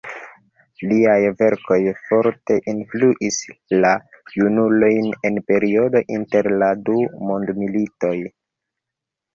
Liaj verkoj forte influis la junulojn en periodo inter la du mondmilitoj.